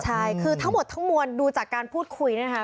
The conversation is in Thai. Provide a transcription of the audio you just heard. ใช่คือทั้งหมดทั้งมวลดูจากการพูดคุยนะคะ